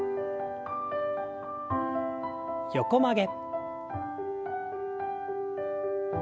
横曲げ。